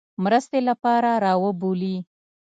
مرستې لپاره را وبولي.